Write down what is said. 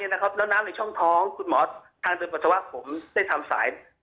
แล้วน้ำในช่องท้องคุณหมอทางเดินปัสสาวะผมได้ทำสาย